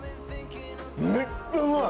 めっちゃうまい！